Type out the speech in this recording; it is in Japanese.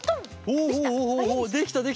おおおおおできたできた！